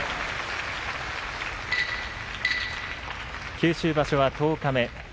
九州場所は十日目。